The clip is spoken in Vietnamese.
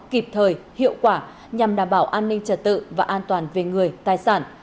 kịp thời hiệu quả nhằm đảm bảo an ninh trật tự và an toàn về người tài sản